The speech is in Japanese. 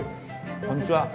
こんにちは。